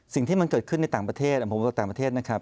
สิ่งที่มันเกิดขึ้นในต่างประเทศผมบอกต่างประเทศนะครับ